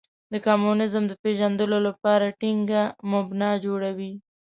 د کمونیزم د پېژندلو لپاره ټینګه مبنا جوړوي.